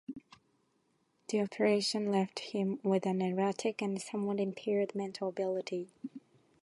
The operation left him with an erratic and somewhat impaired mental ability.